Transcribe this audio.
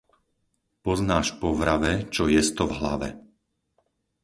Poznáš po vrave, čo jesto v hlave.